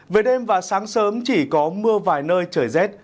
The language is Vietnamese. về đêm và sáng sớm chỉ có mưa vài nơi trời rét